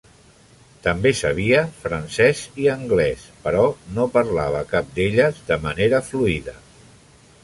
També sabia francès i anglès, però no parlava cap d'elles de manera fluida.